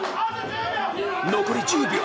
・残り１０秒！